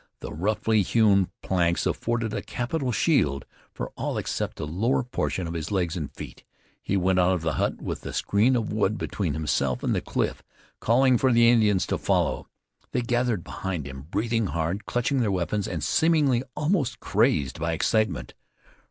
The roughly hewn planks afforded a capital shield for all except the lower portion of his legs and feet. He went out of the hut with the screen of wood between himself and the cliff, calling for the Indians to follow. They gathered behind him, breathing hard, clutching their weapons, and seemingly almost crazed by excitement.